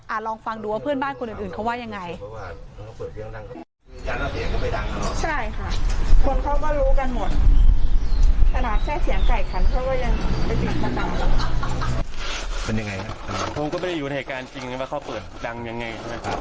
ลองฟังดูว่าเพื่อนบ้านคนอื่นเขาว่ายังไง